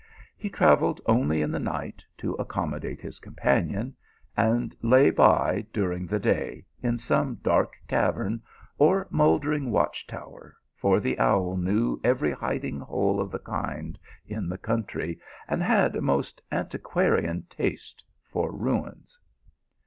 He travelled only in the night, to accom modate his companion, and lay by during the day in some dark cavern or mouldering watch tower, for the owl knew every hiding hole of the kind in the country, and had a most antiquarian taste for ruins.